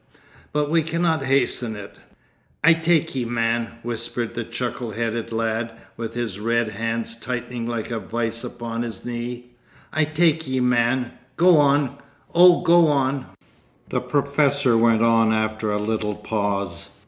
But we cannot hasten it.' 'I take ye, man,' whispered the chuckle headed lad, with his red hands tightening like a vice upon his knee. 'I take ye, man. Go on! Oh, go on!' The professor went on after a little pause.